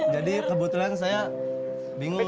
jadi kebetulan saya bingung